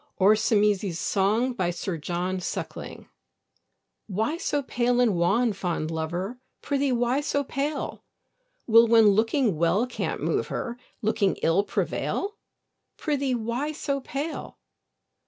Sir John Suckling. ORSAMES' SONG. Why so pale and wan, fond lover? Prithee, why so pale? Will, when looking well can't move her, Looking ill prevail? Prithee, why so pale?